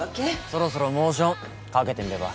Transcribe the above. そろそろモーションかけてみれば？